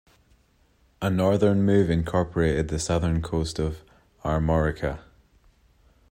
A northern move incorporated the southern coast of Armorica.